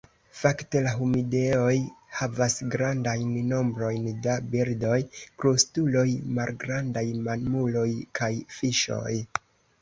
Fakte la humidejoj havas grandajn nombrojn da birdoj, krustuloj, malgrandaj mamuloj kaj fiŝoj.